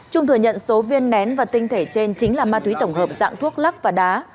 trung thừa nhận số viên nén và tinh thể trên chính là ma túy tổng hợp dạng thuốc lắc và đá